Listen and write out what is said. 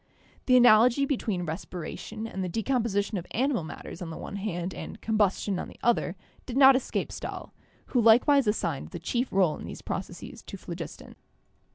The analogy be tween respiration and the decomposition of animal matters on the one hand and combustion on the other did not escape Stahl, who likewise assigned the chief role in these processes to phlogiston.